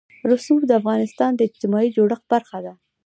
رسوب د افغانستان د اجتماعي جوړښت برخه ده.